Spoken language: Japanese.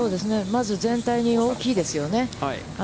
まず全体に大きいですよね。